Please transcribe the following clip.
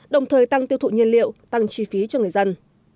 đồng thời tăng tiêu thụ nhiên liệu tăng chi phí cho người dân